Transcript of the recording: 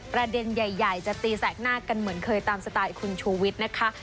ประเด็นใหญ่จะตีแสกหน้ากันเหมือนเคยตามสไตล์คุณชูวิทย์นะคะ